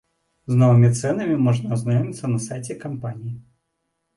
З новымі цэнамі можна азнаёміцца на сайце кампаніі.